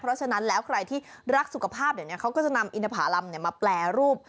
เพราะฉะนั้นแล้วใครที่รักสุขภาพเดี๋ยวนี้เขาก็จะนำอินทภารำมาแปรรูป